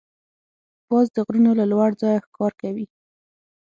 باز د غرونو له لوړ ځایه ښکار کوي